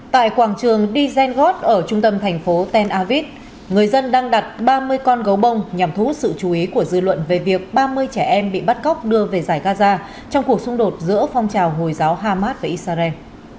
tại quảng trường dizengot ở trung tâm thành phố tenavit người dân đang đặt ba mươi con gấu bông nhằm thu hút sự chú ý của dư luận về việc ba mươi trẻ em bị bắt cóc đưa về giải gaza trong cuộc xung đột giữa phong trào hồi giáo hamas và israel